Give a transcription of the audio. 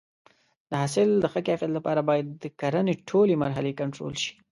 د حاصل د ښه کیفیت لپاره باید د کرنې ټولې مرحلې کنټرول شي.